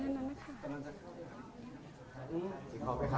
มาฟัมเหมือนพี่มะกูติดเลยนะคะ